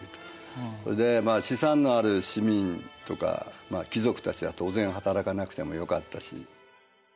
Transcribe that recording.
それで資産のある市民とか貴族たちは当然働かなくてもよかったし。